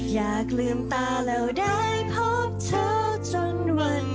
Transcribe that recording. อยากเป็นคนที่ได้นอดูดาวข้างเธออีกหมื่นวัน